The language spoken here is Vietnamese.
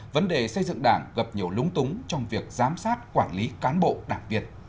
vấn đề xây dựng đảng gặp nhiều lúng túng trong việc giám sát quản lý cán bộ đảng viên